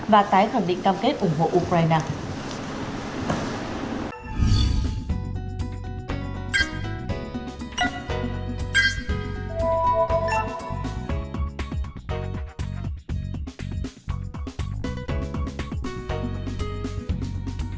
và tái khẳng định cam kết ủng hộ ukraine